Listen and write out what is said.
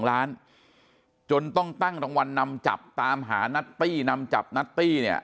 ล้านจนต้องตั้งรางวัลนำจับตามหานัตตี้นำจับนัตตี้เนี่ย